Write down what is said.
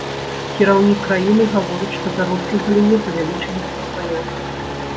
Кіраўнік краіны гаворыць, што заробкі ў галіне павялічыліся ўдвая.